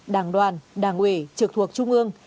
đảng đoàn đảng ủy trực thuộc trung ương